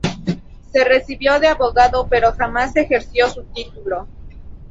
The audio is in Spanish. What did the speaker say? Se recibió de abogado pero jamás ejerció su título.